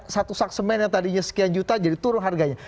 satu saksemen yang tadinya sekian juta jadi turun harganya